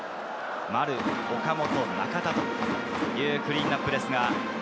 丸、岡本、中田というクリーンナップです。